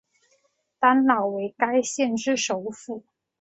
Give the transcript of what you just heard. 丹老为该县之首府。